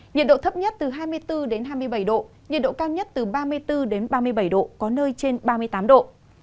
nhiệt độ thấp nhất từ hai mươi bốn hai mươi bảy độ nhiệt độ cao nhất từ ba mươi bốn ba mươi bảy độ có nơi trên ba mươi tám độ